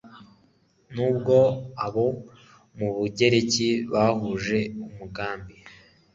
ni bwo abo mu bugereki bahuje umugambi